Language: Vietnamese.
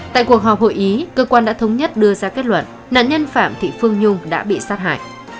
tại cuộc họp hội ý cơ quan đã thống nhất đưa ra kết luận nạn nhân phạm thị phương nhung đã bị sát hại